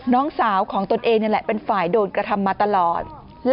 น้องสาวของตนเองนี่แหละเป็นฝ่ายโดนกระทำมาตลอด